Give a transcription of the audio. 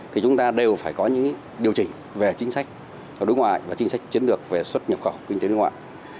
thì chúng ta đều phải có những điều chỉnh về chính sách đối ngoại và chính sách chiến lược về xuất nhập khẩu kinh tế đối ngoại